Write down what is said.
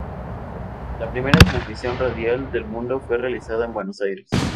La primera transmisión radial del mundo fue realizada en Buenos Aires.